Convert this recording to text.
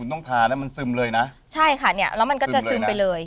ต้องทานะมันซึมเลยนะใช่ค่ะเนี่ยแล้วมันก็จะซึมไปเลย